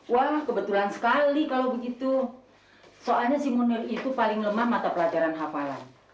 wah kebetulan sekali kalau begitu soalnya si munir itu paling lemah mata pelajaran hafalan